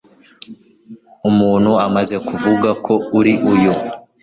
umuntu amaze kuvuga ko uri uyu